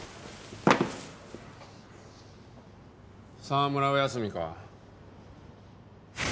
澤村は休みか？